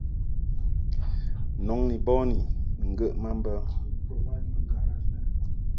Nɔŋ ni bɔni ŋgəʼ ma mbə.